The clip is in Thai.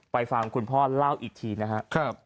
ฟังคุณพ่อเล่าอีกทีนะครับ